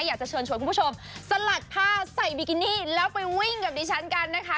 อยากจะเชิญชวนคุณผู้ชมสลัดผ้าใส่บิกินี่แล้วไปวิ่งกับดิฉันกันนะคะ